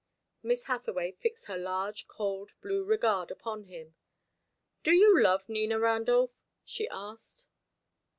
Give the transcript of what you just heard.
Miss Hathaway fixed her large cold blue regard upon him. "Do you love Nina Randolph?" she asked.